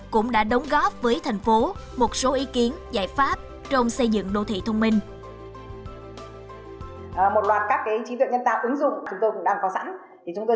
cũng đã đóng góp với thành phố một số ý kiến giải pháp trong xây dựng đô thị thông minh